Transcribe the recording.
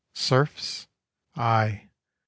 Serfs? Aye!